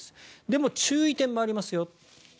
でも注意点もありますよ。